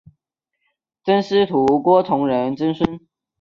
赠司徒郭崇仁曾孙。